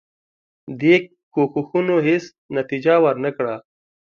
دې کوښښونو هیڅ نتیجه ورنه کړه.